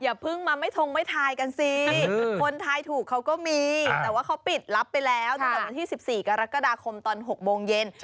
อย่าเพิ่งมาไม่ทงไม่ทายกันสิคนทายถูกเขาก็มีแต่ว่าเขาปิดรับไปแล้วตั้งแต่วันที่๑๔กรกฎาคมตอน๖โมงเย็น